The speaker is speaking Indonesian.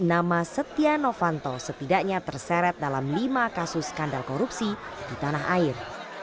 nama setia novanto setidaknya terseret dalam lima kasus skandal korupsi di tanah air